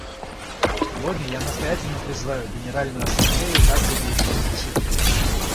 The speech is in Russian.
Сегодня я настоятельно призываю Генеральную Ассамблею также действовать решительно.